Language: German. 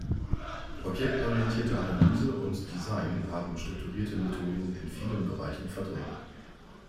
Objektorientierte Analyse und Design haben strukturierte Methoden in vielen Bereichen verdrängt.